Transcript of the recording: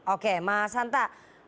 oke mas santa